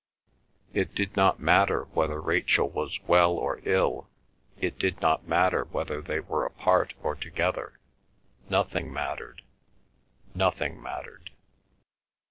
It did not matter whether Rachel was well or ill; it did not matter whether they were apart or together; nothing mattered—nothing mattered.